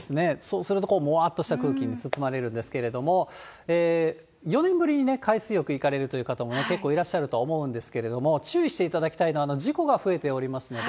そうすると、もわっとした空気に包まれるんですけれども、４年ぶりに海水浴行かれるという方も結構いらっしゃると思うんですけれども、注意していただきたいのは、事故が増えておりますので。